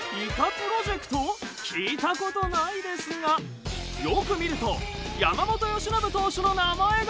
聞いたことないですがよく見ると山本由伸投手の名前が。